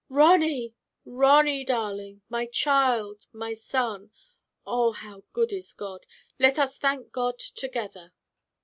"Ronny, Ronny darling — my child, my son — oh! how good is God. Let us thank God to gether."